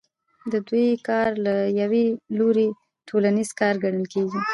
د دوی کار له یوه لوري ټولنیز کار ګڼل کېږي